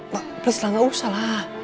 ma please lah gak usah lah